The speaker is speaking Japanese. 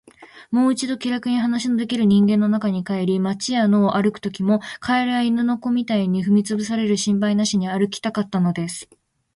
もう一度、気らくに話のできる人間の中に帰り、街や野を歩くときも、蛙や犬の子みたいに踏みつぶされる心配なしに歩きたかったのです。